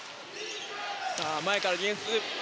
前からディフェンス。